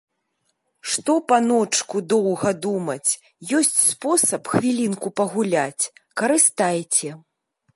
Што, паночку, доўга думаць, ёсць спосаб хвілінку пагуляць, карыстайце.